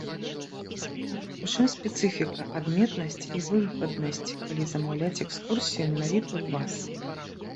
У чым спецыфіка, адметнасць і выгаднасць, калі замаўляць экскурсію менавіта ў вас?